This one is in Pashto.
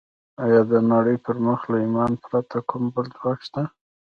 ایا د نړۍ پر مخ له ایمانه پرته کوم بل ځواک شته